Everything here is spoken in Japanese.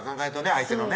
相手のね